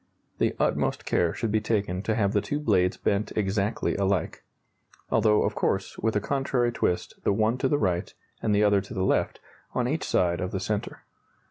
The utmost care should be taken to have the two blades bent exactly alike although, of course, with a contrary twist, the one to the right and the other to the left, on each side of the centre.